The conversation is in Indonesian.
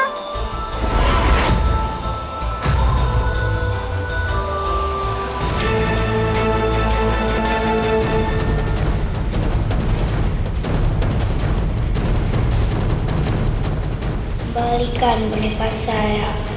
kembalikan boneka saya